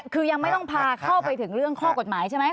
คือยังไม่ต้องพาเข้าไปถึงเรื่องข้อกฎหมายใช่ไหม